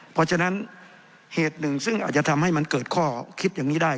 เพราะฉะนั้นเหตุหนึ่งซึ่งอาจจะทำให้มันเกิดข้อคิดอย่างนี้ได้